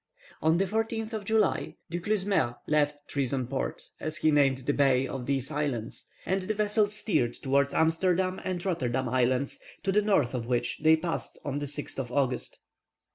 On the 14th of July, Du Clesmeur left Treason Port, as he named the bay of these islands, and the vessels steered towards Amsterdam and Rotterdam Islands, to the north of which they passed on the 6th of August.